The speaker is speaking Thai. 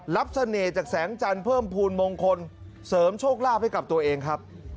เสน่ห์จากแสงจันทร์เพิ่มภูมิมงคลเสริมโชคลาภให้กับตัวเองครับ